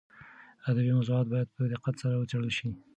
ادبي موضوعات باید په دقت سره وڅېړل شي.